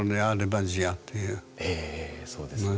ええええそうですね。